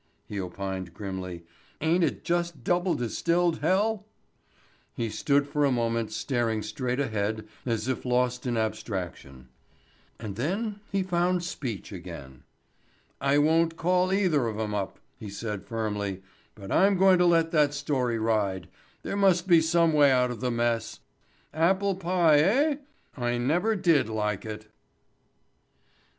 he opined grimly. "Ain't it just double distilled hell?" He stood for a moment staring straight ahead as if lost in abstraction. And then he found speech again. "I won't call either of 'em up," he said firmly, "but I'm going to let that story ride. There must be some way out of the mess. Apple pie, eh? I never did like it."